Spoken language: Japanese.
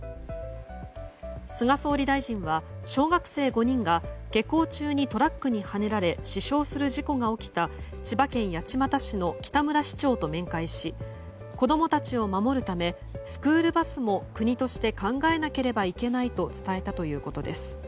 菅総理大臣は小学生５人が下校中にトラックにはねられ死傷する事故が起きた千葉県八街市の北村市長と面会し子供たちを守るためスクールバスも国として考えなければいけないと伝えたということです。